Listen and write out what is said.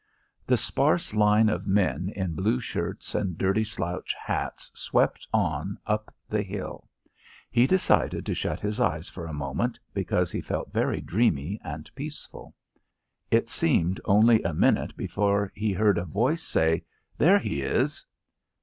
The sparse line of men in blue shirts and dirty slouch hats swept on up the hill. He decided to shut his eyes for a moment because he felt very dreamy and peaceful. It seemed only a minute before he heard a voice say, "There he is."